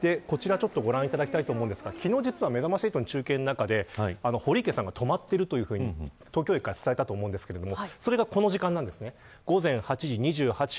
こちら、ご覧いただきたいと思いますが、昨日実はめざまし８の中継の中で堀池さんが止まっているというふうに東京駅から伝えたと思いますがそれがこの時間なんですね。